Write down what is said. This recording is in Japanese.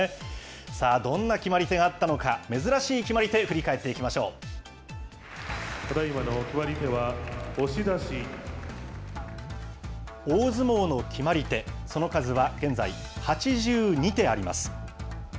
さあ、どんな決まり手があったのか、珍しい決まり手、振り返ってただいまの決まり手は、押し大相撲の決まり手、その数は現在８２手あります。